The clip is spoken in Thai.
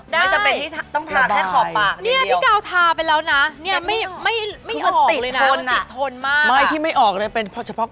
ไม่จำเป็นที่ต้องทาแค่ขอบปาก